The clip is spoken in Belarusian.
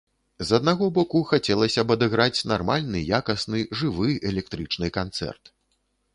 З аднаго боку, хацелася б адыграць нармальны, якасны, жывы, электрычны канцэрт.